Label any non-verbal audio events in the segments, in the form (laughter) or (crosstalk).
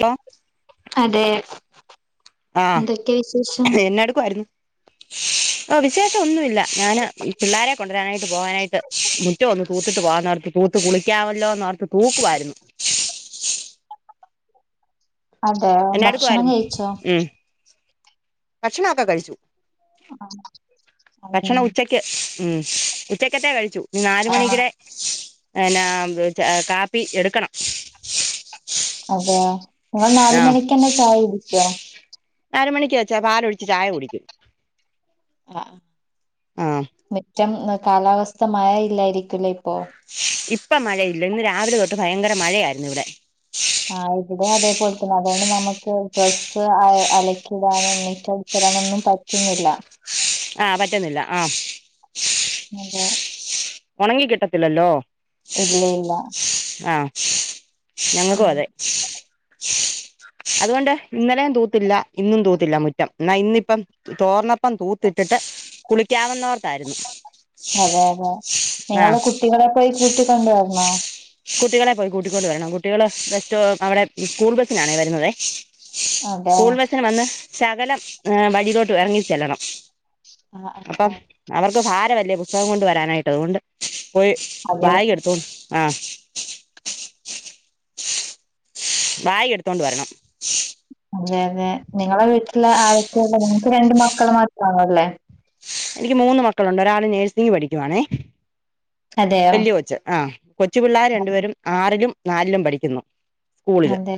Law അതെ ആഹ് എന്തൊക്കെ വിശേഷം എന്നാടുക്കുവാരുന്നു ഓഹ് വിശേഷം ഒന്നുവില്ല. ഞാന്, പിള്ളാരെ കൊണ്ടുരാനായിട്ട് പോകാനായിട്ട് മുറ്റം ഒന്ന് തൂത്തിട്ട് പോവാന്നോർത്ത് തൂത്ത് കുളിക്കാവല്ലോന്നോർത്ത് തൂക്കുവാരുന്നു അതേ ഭക്ഷണം എന്നാടുക്കുവായിരുന്നു കഴിച്ചോ ഉം ഭക്ഷണൊക്കെ കഴിച്ചു. അതെ ഭക്ഷണം ഉച്ചയ് ക്ക് ഊം ഉച്ചക്കത്തെ കഴിച്ചു നാലു ആഹ് മണീടെ എന്നാ ബ് ച് കാപ്പി എടുക്കണം അതെയോ നിങ്ങൾ നാലു മണിക്കന്നെ ചായകുടിക്കോ നാലുമണിക്ക് ചാ പാലൊഴിച്ച് ചായ കുടിക്കും ആഹ് ആഹ് മിറ്റം കാലാവസ്ഥ മഴയയില്ലായിരിക്കുംല്ലേ ഇപ്പൊ ഇപ്പം മഴയില്ല ഇന്ന് രാവിലെ തൊട്ട് ഭയങ്കര മഴയാരുന്നു ഇവിടെ ആഹ് ഇവിടെ അതേപോൽത്തന്നാ അതുകൊണ്ട് നമക്ക് ഡ്രസ്സ് അഹ് അലക്കിടാനും മിറ്റടിച്ചിടാനൊന്നും പ റ്റുന്നില്ല ആഹ് പറ്റുന്നില്ല ആഹ് അതാ ഒണങ്ങി കിട്ടത്തില്ലല്ലോ ഇല്ല ഇല്ല ആഹ് ഉം ഞങ്ങക്കുവതെ അതുകൊണ്ട് ഇന്നലേം തൂത്തില്ല ഇന്നും തൂത്തില്ല മുറ്റം എന്നാ ഇന്നിപ്പം തോർന്നപ്പം തൂത്തിട്ടിട്ട് കുളിക്കാവന്നോർത്താരുന്നു അതെഅതെ നിങ്ങള് കുട്ടികളെ പോയി കൂട്ടിക്കൊണ്ടുവരണോ കുട്ടികളെ പോയി കൂട്ടിക്കൊണ്ട് വരണം കുട്ടികള് ബസ്റ്റോ അവിടെ സ്കൂൾ ബസ്സിനാണേ വരുന്നതേ അതാ സ്സ്ന് വന്ന് ശകലം വഴിയിലോട്ട് എറങ്ങി ചെല്ലണം. ആഹ് ആഹ് അപ്പം ആഹ് അവർക്ക് ഭാരവല്ലേ പുസ്തകം കൊണ്ട് വരാനായിട്ട് അതുകൊണ്ട് പോയി അതെ ബാഗെടുത്തോൺ ആഹ് ബായ് എട്ത്തോണ്ട് വരണം അതെ അതെ നിങ്ങളെ വീട്ടില് ആരെക്കെള്ളെ നിങ്ങക്ക് രണ്ട് മക്കള് മാത്രാണൊള്ളെ എനിക്ക് മൂന്ന് മക്കളുണ്ട് ഒരാള് നേഴ്സിംഗ് പഠിക്കുവാണേ അതെയോ? വല്ല്യ കൊച്ച് ആഹ് കൊച്ചു പിള്ളാർ രണ്ടുപേരും ആറിലും നാൽലും പഠിക്കുന്നു സ്കൂളില് അതെ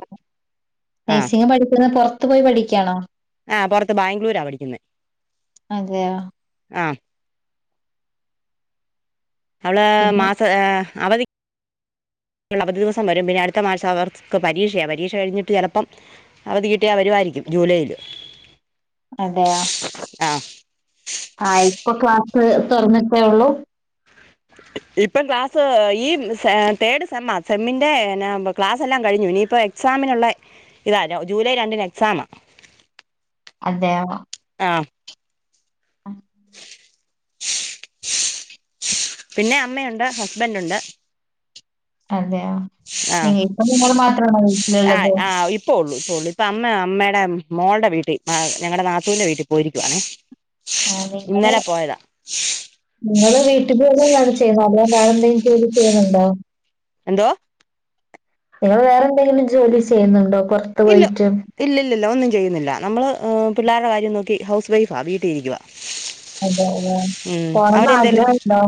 ആ നേഴ്സിങ് പഠിക്ക്ന്ന പൊറ്ത്ത് പോയി പഠിക്കാണൊ ആഹ് പുറത്ത് ബാംഗ്ലൂരാ പഠിക്കുന്നെ അതെയാ ആഹ് അവളാ പിന്നെ മാസ ഏഹ് അവധി അവധി ദിവസം വരും പിന്ന അടുത്ത മാസം അവർക്ക് പരീക്ഷയ പരീക്ഷ കഴിഞ്ഞിട്ട് ചെലപ്പം അവതി കിട്ടിയാ വരുവായിരിക്കും ജൂലൈയില് അതെയാ ആഹ് ആഹ് ഇപ്പൊ ക്ലാസ്സ് തൊറന്നിട്ടെ ഉള്ളു ഇപ്പം ക്ലാസ് ഈ സേ ഏഹ് തേർഡ് സെമ്മ. സെമ്മിന്റെ ക്ലാസ് എല്ലാം കഴിഞ്ഞു ഇനിയിപ്പൊ എക്സാമിനുള്ള ഇതാലൊ ജൂലൈ രണ്ടിന് എക്സാമ അതെ ആഹ് പിന്നെ അമ്മയുണ്ട് ഹസ്ബന്റ് ഉണ്ട് അതെയോ ആഹ് നിങ്ങ ഇപ്പൊ നിങ്ങള് മാത്രാണൊ വീട്ടില്ള്ളത് ആഹ് ആഹ് ഇപ്പൊ ഒള്ളു ഇപ്പ ഉള്ളു ഇപ്പ അമ്മ അമ്മേടെ മോൾടെ വീട്ടി ഞങ്ങടെ നാത്തൂന്റെ വീട്ടി പോയിരിക്കുവാണേ ആഹ് നിങ്ങള് ഇന്നലെ പോയതാ നിങ്ങള് വീ ട്ട് ജോലി ആണ് ചെയ്യുന്നത് അല്ലാണ്ട് വേറെ എന്തേലും ജോലി ചെയ്യുന്നുണ്ടോ എന്തോ നിങ്ങള് വേറെന്തെങ്കിലും ജോലി ചെയ്യുന്നുണ്ടൊ പൊറ്ത്ത് പോയിട്ട് ഇല്ല ഇല്ലില്ല ഒന്നും ചെയ്യുന്നില്ല നമ്മള് ഏഹ് പിള്ളാര്ടെ കാര്യം നോക്കി ഹൗസ് വൈഫാ വീട്ടി ഇരിക്ക്വ അതെ അതെ പോണന്ന് ആഗ്രഹണ്ടൊ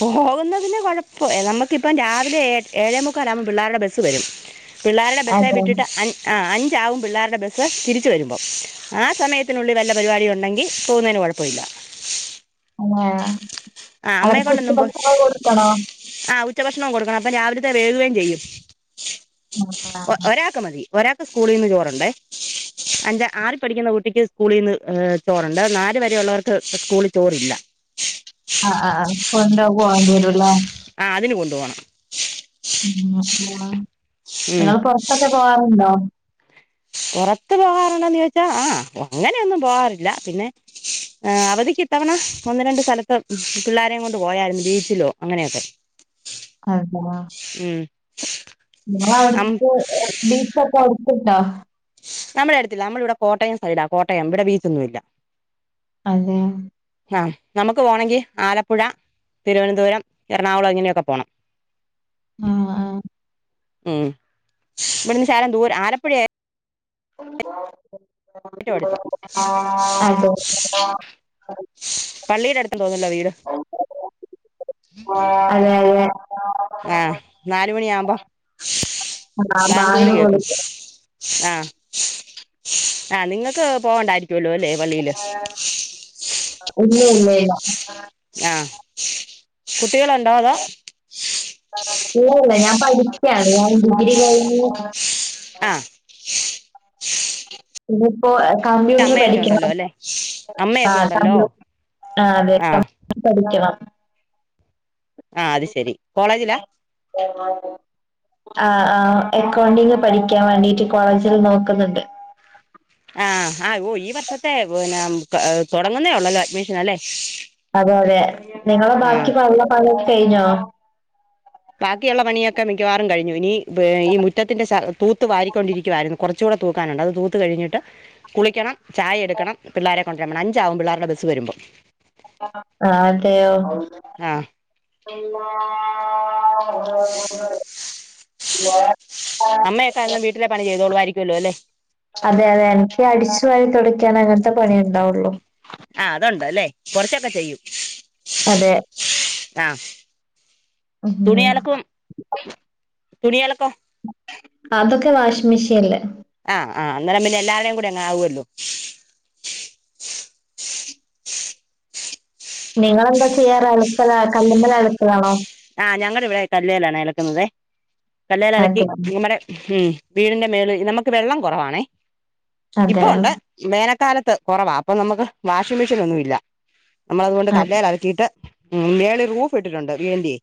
പോകുന്നതിന് കൊഴപ്പം നമുക്കിപ്പം രാവിലെ ഏ ഏഴേ മുക്കാലാവുമ്പോ പിള്ളാരുടെ ബസ്സ് വരും പിള്ളാരുടെ ബസ്സ് അതെ വിട്ടിട്ട് അൻ ആഹ് അഞ്ചാവും പിള്ളാരുടെ ബസ്സ് തിരിച്ച് വരുമ്പൊ ആഹ് സമയത്തിനുള്ളി വല്ല പരിപാടി ഉണ്ടെങ്കി പോകുന്നതിന് കൊഴപ്പല്ല ആഹ് അതെയാ അവർക് ഉച്ചഭക്ഷണം കൊട്ക്കണോ ആഹ് ഉച്ചഭക്ഷണം കൊടുക്കണം അപ്പൊ രാവിലത്തെ വേകുകയും ചെയ്യും ഒരാക്ക് മതി ഒരാക്ക് സ്കൂളീന്ന് ചോറുണ്ടെ എന്റെ ആറി പഠിക്കുന്ന കുട്ടിക്ക് സ്കൂളീന്ന് ഏഹ് ചോറ്ണ്ട് നാല് വരെ ഉള്ളവർക്ക് സ്കൂളി ചോറില്ല ആഹ് ആഹ് കൊണ്ട പോവാ വരല്ല ആഹ് അതിന് കൊണ്ട് പോണം ആഹ് ആഹ് ഉം ഇങ്ങള് പൊറ്ത്തൊക്കെ പോവാറുണ്ടോ പൊറത്ത് പോകാറുണ്ടോന്ന് ചോദിച്ച ആഹ് അങ്ങനെയൊന്നും പോകാറില്ല പിന്നെ അവധിക്ക് ഇത്തവണ ഒന്ന് രണ്ട് സ്ഥലത്ത് പിള്ളാരെ കൊണ്ട് പോയാര്ന്നു ബീച്ചിലോ അങ്ങനെയൊക്കെ (unintelligible) ഉം ഇങ്ങളെ അം അട്ത്ത് ബീച്ചൊക്കെ അട്ത്ത്ണ്ടൊ നമ്മടെ അട്ത്തില്ല നമ്മളിവിടെ കോട്ടയം സൈഡ കോട്ടയം ഇവിടെ ബീച്ചൊന്നും ഇല്ല അതേ യാഹ്. നമുക്ക് പോണൊങ്കി ആലപ്പുഴ തിരുവനന്തുരം, എറണാകുളം ഇങ്ങനെയൊക്കെ പോണം. ആഹ് ആഹ് ഉം. ഇവിടെന്ന് ശാലം ദൂര ആലപ്പുഴ ഏറ്റവും അട്ത്ത്. അതെ. പള്ളിയുടെ അടുത്ത് തോന്നല്ലൊ വീട്? ആഹ് അതെ, അതെ. ആഹ്. നാലുമണിയാവ്‌മ്പം ആ ബാങ്ക് വിളി കേക്കും. കൊടുക്കും. ആഹ്, ആഹ് നിങ്ങൾക്ക് പോവണ്ടായി... ഇല്ല ഇല്ല ഇല്ലാ. ആഹ്. കുട്ടികളുണ്ടൊ അതൊ? ഇല്ലില്ല. ഞാൻ പഠിക്കാണ്. ഞാൻ ഡിഗ്രി കഴിഞ്ഞു. ആഹ് ഇനിപ്പൊ ഏഹ് കമ്പ്യൂട്ടർ അമ്മയൊക്കെ പഠിക്കണം. ഉണ്ടല്ലോ അല്ലെ അമ്മയൊക്കെ ആഹ് ഉണ്ടല്ലോ കമ്പ്യൂ.... ആഹ് അതെ. കമ്പ്യൂട്ടർ പഠിക്കണം. ആഹ് അത് ശരി. കോളേജിലാ? പഠിക്കണം. ആഹ് ആഹ് അക്കൗണ്ടിഗ് പഠിക്കാൻ വേണ്ടിട്ട് കോളേജില് നോക്ക് ന്ന്ണ്ട്. ആഹ് ആഹ് ഓഹ് ഈ വർഷത്തെ കോ പിന്നെ ത തൊടങ്ങുന്നേ ഉള്ളല്ലെ അഡ്മിഷൻ അല്ലെ. അതെ അതെ. നിങ്ങളെ ബാക്കി യൊള്ള പണിയൊക്കെ കഴിഞ്ഞൊ? ബാക്കിയുള്ള പണിയൊക്കെ മിക്കവാറും കഴിഞ്ഞു. ഇനി ത് ഈ മുറ്റത്തിന്റെ സ തൂത്ത് വാരിക്കൊണ്ടിരിക്കുവായിര്ന്ന്. കുറച്ചൂടെ തൂക്കാനുണ്ട്. അത് തൂത്ത് കഴിഞ്ഞിട്ട് കുളിക്കണം. ചായ എട്ക്കണം. പിള്ളാരെ... കൊണ്ടരാം പോണം. അഞ്ചാവും പിള്ളാര്ടെ ബസ് വരുമ്പം ആഹ് അതെ യൊ ആഹ് ആ കാരണം വീട്ടിലെ പണി ചെയ്തോളു വായിരിക്കുവല്ലൊ അല്ലെ. അതെ അതെ. എൻക്ക് അടിച്ചു വാരി തൊടക്കാന അങ്ങൻത്തെ പണിയുണ്ടാവൊള്ളു. ആഹ് അതൊണ്ട് ല്ലെ. കൊർച്ചൊക്കെ ചെയ്യും. അതെ ആഹ്. ഉം തുണിയലക്കും. തുണിയലക്കും അതൊക്കെ വാഷിങ് മെഷീൻല്. ആഹ് ആഹ്. അന്നേരം പിന്നെ എല്ലാര്‌ടേയും കൂടെ അങ്ങ് ആവൊ ല്ലൊ. നിങ്ങളെ അവ്‌ടൊക്കെയ്യാറ് അളുപ്പ ലാ കല്ല്മ്മെല് അള്പ്പലാണൊ? ആഹ് ഞങ്ങള് വ്ടെ കല്ലേലാണെ അലക്കുന്നതെ. കല്ലേലലക്കി അതെ ഞമ്മടെ ഉം വീട്ന്റെ മേള് നമുക്ക് വെള്ളം കൊറവാണെ. അതെ ഇപ്പം ഒണ്ട്. വേനക്കാലത്ത് കൊറവാ. അപ്പം നമക്ക് വാഷിംഗ് മെഷീനൊന്നുല്ല. നമ്മളതുകൊണ്ട് ആഹ് കല്ലേലലക്കിട്ട് മോളില് റൂഫ് ഇട്ടിട്ടുണ്ട്. വി എൻ ഡി യെ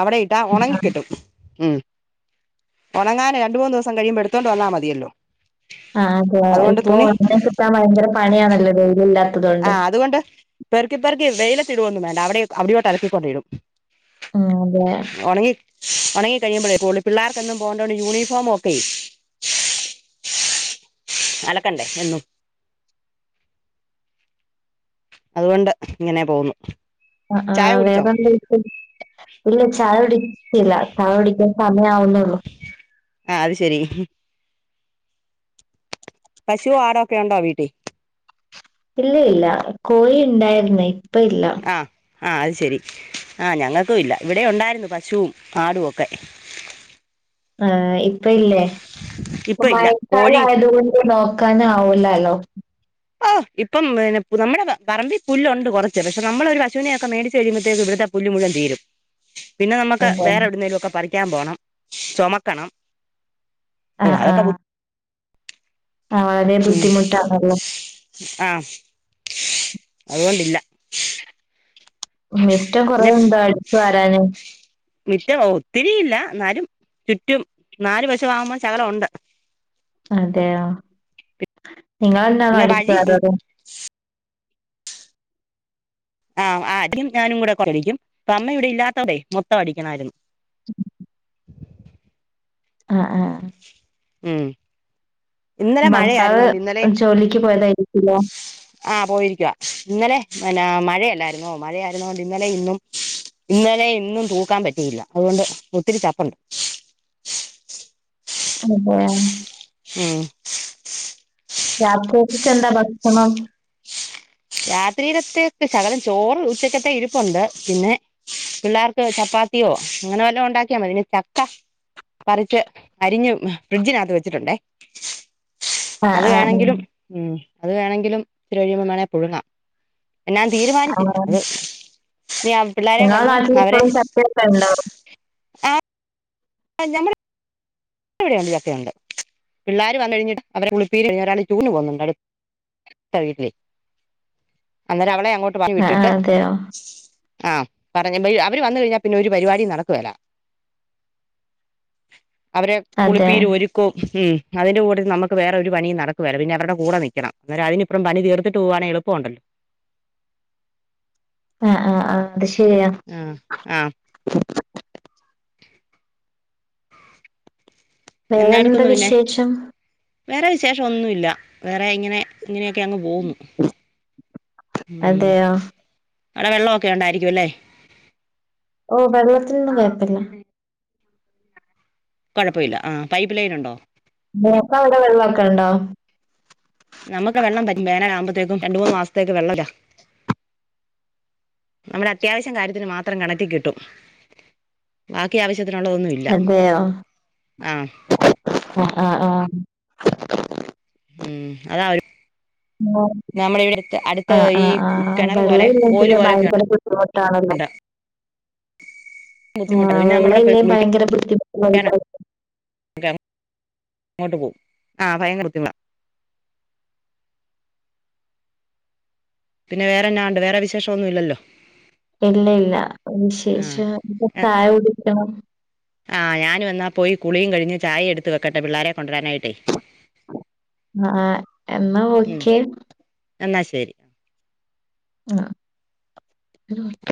അവ്ടെ ഇട്ടാ ഒണങ്ങികിട്ടും. ഉം ഒണങ്ങാന് രണ്ട്, മൂന്ന് ദൂസം കഴിയുമ്പൊ എടുത്തോണ്ട് വന്നാ മതിയല്ലൊ. ആഹ് അതെ. ഇപ്പൊ ഓണങ്ങി കിട്ടാൻ ഭയങ്കര പണിയാണല്ലൊ വെയിലില്ലാ..... ആഹ്. അതുകൊണ്ട് പെർക്കി, പെർക്കി വെയിലത്തിടൊന്നും വേണ്ട. അവ്ടെ അവിടെയോട്ട് അലക്കിക്കൊണ്ടിടും. ആഹ് അതെ. ഒണങ്ങി, ഒണങ്ങി കഴിയുമ്പഴെപോവൊള്ളു. പിള്ളേർക്കെന്നും പോണ്ടോണ്ട് യൂണിഫോമൊക്കെ... അലക്കണ്ടെ എന്നും. അതുകൊണ്ട് ഇങ്ങനെ പോകുന്നു ആഹ് ചായ ആഹ് കുടിച്ചോ വേറെന്തക്കയാ ഇല്ല ചായ കുടിച്ചില്ലചായ കുടിക്കാൻ സമയാവുന്നുള്ളു ആഹ് അത് ശെരി പശു ആടൊക്കെ ഉണ്ടോ വീട്ടിൽ ഇല്ല ഇല്ല കോഴി ഇണ്ടായിരുന്ന് ഇപ്പ ഇല്ല ആഹ് ആഹ് അത് ശെരി ആഹ് ഞങ്ങൾക്കും ഇല്ല ഇവിടെ ഉണ്ടായിരുന്നു പശും ആടും ഒക്കെ ആഹ് ഇപ്പ ഇല്ലേ ഇപ്പ ഇപ്പൊ ഇല്ല മയക്കാല കോഴി ആയതുകൊണ്ട് നോക് ക്കാനാവുലാല്ലോ ഓ ഇപ്പം നമ്മുടെ പറമ്പി പുല്ലുണ്ട് കുറച്ച് പക്ഷെ നമ്മള് ഒരു പശുനെക്കെമേടിച്ച് കഴിയുമ്പഴത്തേക്ക് ഇവിടുത്തെ പുല്ലു മുഴുവൻ തീരും പിന്നെ നമ്മക്ക് അതാണ് വേറെ എടുന്നേലുവൊക്കെ പറിക്കാൻ പോണം ചൊമക്കണം ആഹ് ആഹ് ആഹ് അതിന് ബുദ്ധിമുട്ടാണല്ലോ ആഹ് അതുകൊണ്ടില്ല ഇനി മിറ്റം കൊറേ പിന്നെ ഉണ്ട് അടിച്ചു വാരാന് മിറ്റം ഒത്തിരിയില്ല എന്നാലും ചുറ്റും നാല് വശവാകുമ്പോ ശകലം ഒണ്ട് അതെയാ നിങ്ങളന്നാ പിന്നെ അടിച്ചു വഴി വാരാറ് ആഹ് ആദ്യം ഞാനും കൂടെ കൊറടിക്കും ഇപ്പ അമ്മ ഇവിടെ ഇല്ലാത്തതെ മൊത്തടിക്കണാരുന്നു ഉം ആഹ് ആഹ് ഉം ഇന്നലെ ഭർത്താവ് മഴയായിരുന്നോണ്ട് ഇന്നലേം ജോലിക്ക് പോയതായിരിക്കുല്ലേ ആഹ് പോയിരിക്കുവാ ഇന്നലെ പിന്ന മഴയല്ലായിരുന്നോ മഴയായിരുന്നോണ്ടിന്നലേം ഇന്നും ഇന്നലെ ഇന്നും തൂക്കാൻ പറ്റിയില്ല അതുകൊണ്ട് ഒത്തിരി ചപ്പുണ്ട് അതേ ഉം രാത്രിയേക്കെന്താ ഭക്ഷണം രാത്രിയിലത്തേക്ക് ശകലം ചോറ് ഉച്ചക്കത്തെ ഇരിപ്പുണ്ട് പിന്നെ പിള്ളാർക്ക് ചപ്പാത്തിയോ അങ്ങനെ വല്ലോം ഉണ്ടാക്കിയാൽ മതി പിന്നെ ചക്ക പറിച്ച് അരിഞ്ഞ് ഫ്രിഡ്ജിനകത്ത് വെച്ചിട്ടുണ്ടേ ആഹ് അത് ആഹ് വേണെങ്കിലും ഉം അത് വേണെങ്കിലും ഇത്തിരികഴിയുമ്പം വേണേ പുഴുങ്ങാം ഞാൻ തീരുമാനിച്ചില്ല ആഹ് അത് നീ ആഹ് പിള്ളേരെ നിങ്ങളെ വന്ന് അവരെ നാട്ടിലിപ്പഴും ചക്കയൊക്കെ ഉണ്ടോ (unintelligible) ക്കിവിടെയുണ്ട് ചക്കയൊണ്ട് പിള്ളാര് വന്നഴിഞ്ഞിട് അവരെ കുളിപ്പീര് ഒരാള് ടൂറിന് പോകുന്നുണ്ട് (unintelligible) അന്നേരം അവളെ അങ്ങോട്ട് പറഞ് ആഹ് വിട്ടിട്ട് ആഹ് അതെയോ ആഹ് പറഞ്ഞ അവര് വന്ന കഴിഞ്ഞാ പിന്നെ ഒരു പരിപാടീം നടക്കുവേല അവരെ അതെ കുളിപ്പീരു ഒരു ക്കവും (unintelligible) അതിന്റെ കൂട നമ്മക്ക് വേറൊരു പണീം നടക്കുവേല പിന്നെ അവരുടെ കൂടെ നിക്കണം അന്നേരം അതിന് അത്രയും പണി തീർത്തിട്ട് പോവാണെ എളുപ്പോണ്ടല്ലോ ആഹ് ആഹ് ആഹ് അത് ശരിയാ ആഹ് ആഹ് എന്നാ വേറെന്താ എടുക്കുന്നു പിന്നെ വിശേഷം വേറെ വിശേഷവൊന്നുവില്ല വേറെ ഇങ്ങനെ അങ്ങനെയൊക്കെ അങ്ങ് പോകുന്നു ഉം അതെയോ അവടെ വെള്ളവൊക്കെണ്ടായിരിയ്ക്കും അല്ലേ ഓ വെള്ളത്തിനൊന്നും കൊയപ്പില്ല കുഴപ്പയില്ല ആഹ് പൈപ്പ് ലൈനുണ്ടോ നിങ്ങക്ക് അവ്ടെ വെള്ളക്കെണ്ടോ നമ്മുക്ക് വെള്ളം വറ്റും വേനലാമ്പഴ്ത്തേക്കും രണ്ട് മൂന്ന് മാസത്തേക്ക് വെള്ളവില്ല നമ്മുടെ അത്യാവശ്യം കാര്യത്തിന് മാത്രം കിണറ്റിക്കിട്ടും ബാക്കി ആവശ്യത്തിനുള്ളതൊന്നും ഇല്ല അതെയോ ആഹ് ആഹ് ആഹ് ഉം അതവര് (unintelligible) അടുത്ത് ആഹ് ഈ ആഹ് ആഹ് കിണർ പോലെ ഓല് വെള്ളയില്ലെങ്കില് പോലൊക്കെ ഭയങ്കര ബുദ്ധിമുട്ടാണല്ലോ (inaudible) ബുദ്ധിമുട്ടാ ആഹ് പിന്നെ നമ്മളിവിടെ പോയി വെള്ളയില്ലേ ഭയങ്കര കുളിക്കാനൊക്കെ (unintelligible) (unintelligible) പിന്നെ വേറെന്നാണ്ട് വേറെ വിശേഷം ഒന്നുയില്ലല്ലോ ഇല്ല ഇല്ല ആഹ് വിശേഷം ഇപ്പ ചായ കുടിക്കണം ആഹ് ഞാനും എന്നാ പോയി കുളിയും കഴിഞ്ഞ് ചായ എടുത്ത് വെക്കട്ടെ പിള്ളാരെ കൊണ്ട് വരാനായിട്ടേ ആഹ് എന്നാ ഉം ഓക്കെ എന്നാ ശരി (unintelligible)